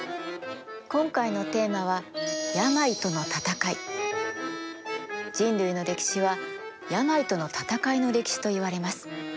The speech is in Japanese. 今回のテーマは人類の歴史は病との闘いの歴史といわれます。